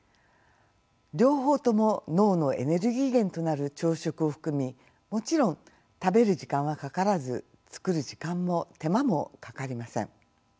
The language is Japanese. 両方とも脳のエネルギー源となる糖質を含みもちろん食べる時間はかからず作る時間も手間もかかりません。